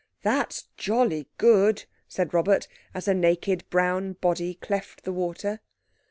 "That's jolly good," said Robert, as a naked brown body cleft the water.